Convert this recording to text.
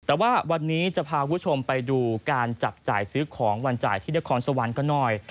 แต่ว่าวันนี้จะพาคุณผู้ชมไปดูการจับจ่ายซื้อของวันจ่ายที่นครสวรรค์กันหน่อย